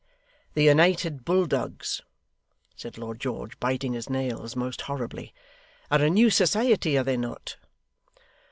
'The United Bulldogs,' said Lord George, biting his nails most horribly, 'are a new society, are they not?